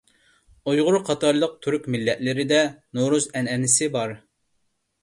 ئۇيغۇر قاتارلىق تۈرك مىللەتلىرىدە نورۇز ئەنئەنىسى بار.